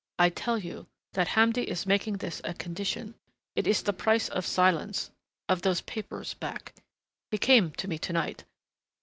"I tell you that Hamdi is making this a condition it is the price of silence, of those papers back.... He came to me to night.